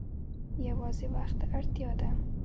یوازې وخت ته اړتیا ده.